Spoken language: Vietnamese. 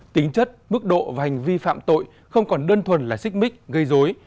tính chất mức độ và hành vi phạm tội không còn đơn thuần là xích mích gây dối